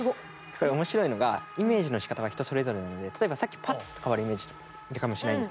これ面白いのがイメージのしかたは人それぞれなので例えばさっきパッと変わるイメージだったかもしれないんですけど。